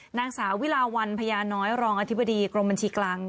หนังสาวีราวรรณพญาน้อยรองอธิบดีเกมบัญชีกลาง